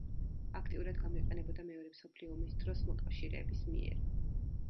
აქტიურად გამოიყენებოდა მეორე მსოფლიო ომის დროს მოკავშირეების მიერ.